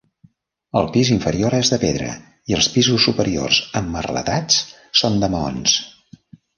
El pis inferior és de pedra i els pisos superiors emmerletats són de maons.